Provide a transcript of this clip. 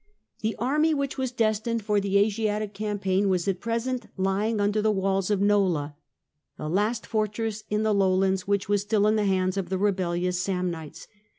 The army which was destined for the Asiatic campaign was at present lying under the walls of Nola, the last fortress in the lowlands which was still in the hands of the rebellious Samnites.